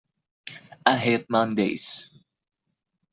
I hate Mondays!